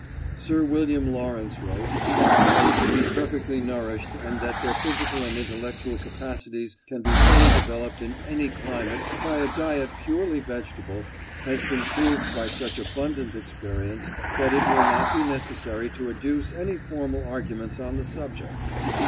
Sir William Lawrence wrote: "That men can be perfectly nourished, and that their physical and intellectual capabilities can be fully developed in any climate by a diet purely vegetable, has been proved by such abundant experience that it will not be necessary to adduce any formal arguments on the subject."